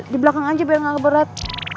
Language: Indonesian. di belakang aja biar nggak keberat